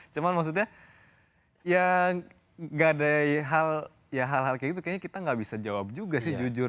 cuma maksudnya ya gak ada hal ya hal hal kayak gitu kayaknya kita nggak bisa jawab juga sih jujur